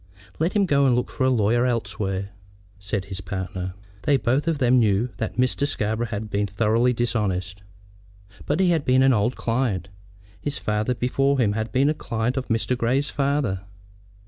"Let him go and look for a lawyer elsewhere," said his partner. They both of them knew that Mr. Scarborough had been thoroughly dishonest, but he had been an old client. His father before him had been a client of Mr. Grey's father.